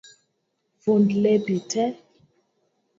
Fund lepi tee